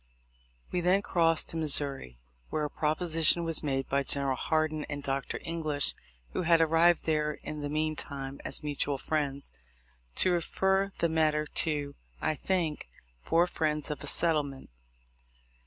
We then crossed to Missouri, where a proposition was made by General Hardin and Dr. English (who had arrived there in the mean time as mutual friends) to refer the matter to, I think, four friends for a settlement.